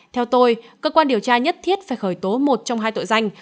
theo tôi cơ quan điều tra nhất thiết phải khởi tố một trong hai tội danh